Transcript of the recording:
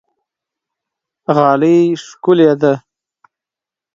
غالۍ ښکلې ده.